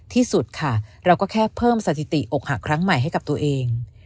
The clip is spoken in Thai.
ที่สุดค่ะเราก็แค่เพิ่มสถิติอกหักครั้งใหม่ให้กับตัวเอง